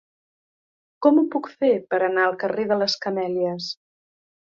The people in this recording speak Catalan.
Com ho puc fer per anar al carrer de les Camèlies?